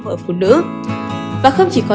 ở phụ nữ và không chỉ có